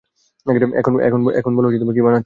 এখন বলো, কী বানাচ্ছিল সে?